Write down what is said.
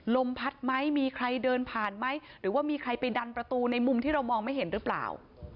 ลมพัดไหมมีใครเดินผ่านไหมหรือว่ามีใครไปดันประตูในมุมที่เรามองไม่เห็นหรือเปล่า